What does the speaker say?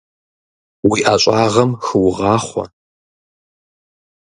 Уи ӀэщӀагъэм хыугъахъуэ!